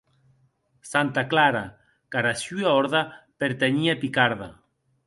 Santa Clara, qu’ara sua Orde pertanhie Piccarda.